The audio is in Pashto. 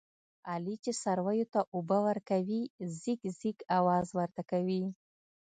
علي چې څارویو ته اوبه ورکوي، ځیږ ځیږ اواز ورته کوي.